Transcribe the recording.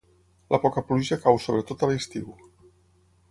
La poca pluja cau sobretot a l'estiu.